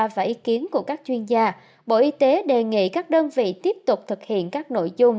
và ý kiến của các chuyên gia bộ y tế đề nghị các đơn vị tiếp tục thực hiện các nội dung